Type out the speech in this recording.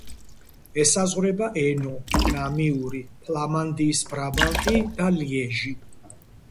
ესაზღვრება ენო, ნამიური, ფლამანდიის ბრაბანტი და ლიეჟი.